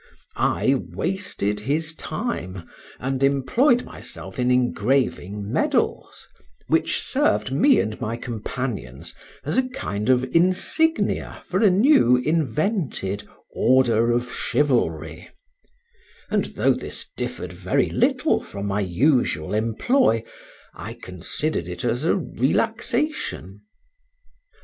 I wasted his time, and employed myself in engraving medals, which served me and my companions as a kind of insignia for a new invented order of chivalry, and though this differed very little from my usual employ, I considered it as a relaxation.